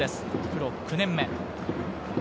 プロ９年目。